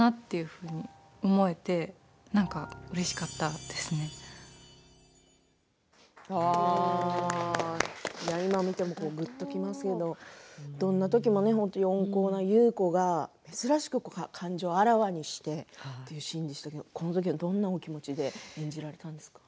なんか、それぐらいの強さとか今、見てもぐっときますけれどどんなときも本当に温厚な優子が珍しく感情をあらわにしてというシーンでしたけれどこのときはどんなお気持ちで演じられていたんですか？